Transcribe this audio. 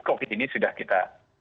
covid ini sudah kita